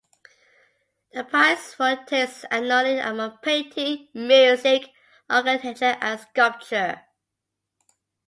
The Prize rotates annually among painting, music, architecture and sculpture.